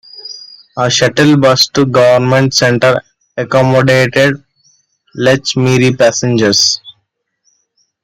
A shuttle bus to Government Center accommodated Lechmere passengers.